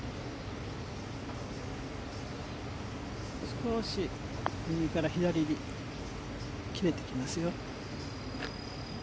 少し右から左に切れてきますよ。